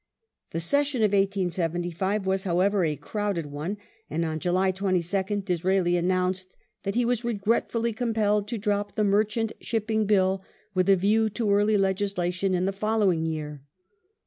The session of 1875 was, however, a crowded one, and on July 22nd » Disraeli announced that he was regretfully compelled to drop the! Merchant Shipping Bill with a view to early legislation in the! following year.